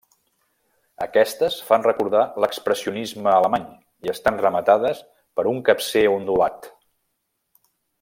Aquestes fan recordar l'expressionisme alemany i estan rematades per un capcer ondulat.